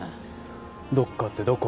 どっかってどこ？